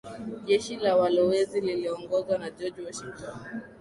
Jeshi la walowezi lililoongozwa na George Washington